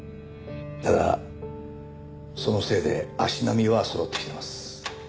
ただそのせいで足並みはそろってきてます。